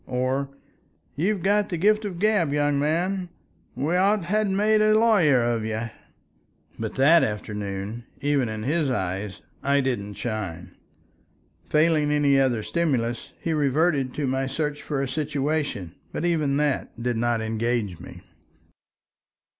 Or, "You've got the gift of the gab, young man. We ought to ha' made a lawyer of you." But that afternoon, even in his eyes, I didn't shine. Failing any other stimulus, he reverted to my search for a situation, but even that did not engage me.